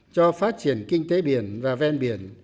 cho phát triển kinh tế biển và ven biển